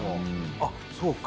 あっそうか。